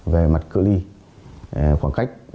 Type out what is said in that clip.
về mặt cưỡi ly khoảng cách